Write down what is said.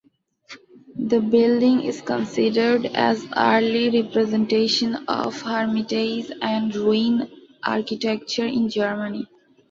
The building is considered an early representation of Hermitage and Ruin architecture in Germany.